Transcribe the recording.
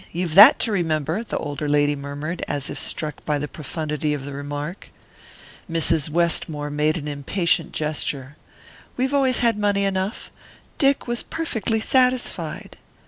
You've that to remember," the older lady murmured, as if struck by the profundity of the remark. Mrs. Westmore made an impatient gesture. "We've always had money enough Dick was perfectly satisfied."